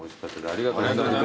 ありがとうございます。